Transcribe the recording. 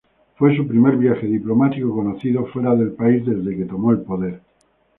Fue su primer viaje diplomático conocido fuera del país desde que tomó el poder.